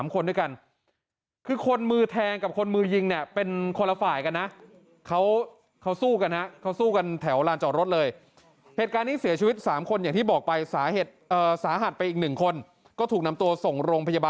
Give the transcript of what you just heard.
๓คนเพื่อกันคือคนมือแทงกับคนมือยิงเนี่ยเป็นคนละ